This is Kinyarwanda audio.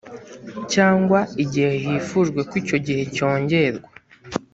cyangwa igihe hifujweko icyo gihe cyongerwa